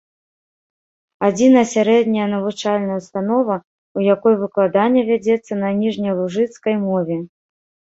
Адзіная сярэдняя навучальная ўстанова, у якой выкладанне вядзецца на ніжнялужыцкай мове.